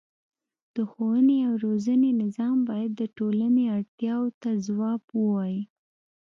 د ښوونې او روزنې نظام باید د ټولنې اړتیاوو ته ځواب ووايي.